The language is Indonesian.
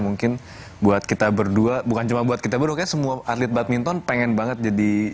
mungkin buat kita berdua bukan cuma buat kita berdua kayaknya semua atlet badminton pengen banget jadi